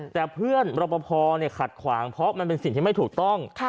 แต่เพื่อนรอปภขัดขวางเพราะมันเป็นสิ่งที่ไม่ถูกต้อง